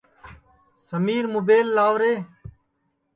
سمیر مُبیل لاو رے